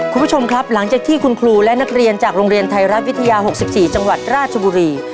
คุณผู้ชมครับหลังจากที่คุณครูและนักเรียนจากโรงเรียนไทยรัฐวิทยา๖๔จังหวัดราชบุรี